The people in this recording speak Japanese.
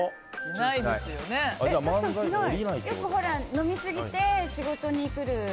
よく飲みすぎて仕事に来る。